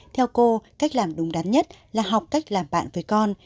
theo cô cách làm đúng đắn nhất là học cách làm bạn với con